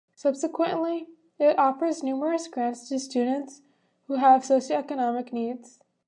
Subsequently, it offers numerous grants to students who have socio-economic needs.